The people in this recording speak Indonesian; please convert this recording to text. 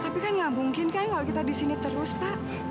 tapi kan erb rotating kan kalau kita disini terus pak